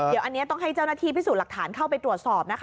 เดี๋ยวอันนี้ต้องให้เจ้าหน้าที่พิสูจน์หลักฐานเข้าไปตรวจสอบนะคะ